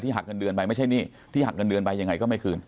ที่หักกันเดือนไปไม่ใช่นี่ที่หักกันเดือนไปยังไงก็ไม่คืน